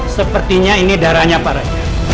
sepertinya ini darahnya parah